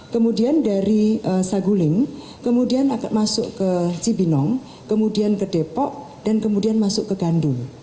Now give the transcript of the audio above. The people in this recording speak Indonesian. kemudian dari saguling kemudian akan masuk ke cibinong kemudian ke depok dan kemudian masuk ke gandul